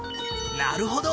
なるほど！